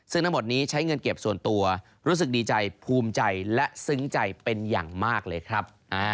ซึ่งทั้งหมดนี้ใช้เงินเก็บส่วนตัวรู้สึกดีใจภูมิใจและซึ้งใจเป็นอย่างมากเลยครับ